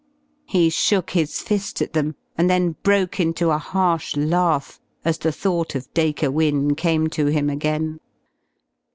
He shook his fist at them and then broke into a harsh laugh as the thought of Dacre Wynne came to him again.